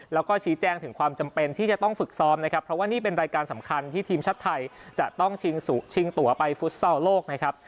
แล้วก็ชี้แจงถึงความจำเป็นที่จะต้องฝึกซ้อมนะครับเพราะว่านี่เป็นรายการสำคัญที่ทีมชาติไทยจะต้องชิงตัวไปฟุตซอลโลกนะครับ